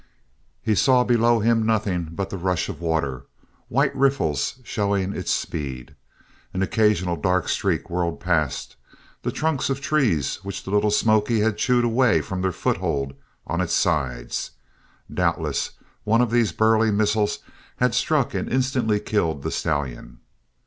He saw below him nothing but the rush of water, white riffles showing its speed. An occasional dark steak whirled past the trunks of trees which the Little Smoky had chewed away from their foothold on its sides. Doubtless one of these burly missiles had struck and instantly killed the stallion.